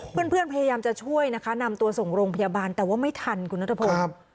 เพื่อนพยายามจะช่วยนะคะนำตัวส่งโรงพยาบาลแต่ว่าไม่ทันคุณนัทพงศ์